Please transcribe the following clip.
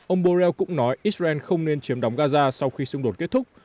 ông borrell cũng nói israel không nên chiếm đóng gaza sau khi xung đột kết thúc